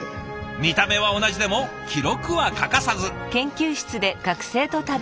見た目は同じでも記録は欠かさず。